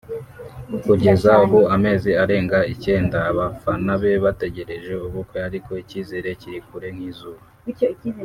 Kugeza ubu amezi arenze icyenda abafana be bategereje ubukwe ariko icyizere kiri kure nk’izuba